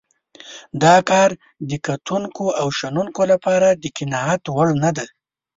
دا کار د کتونکو او شنونکو لپاره د قناعت وړ نه دی.